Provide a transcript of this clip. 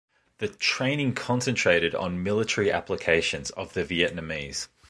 The training concentrated on military applications of the Vietnamese.